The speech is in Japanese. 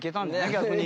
逆に。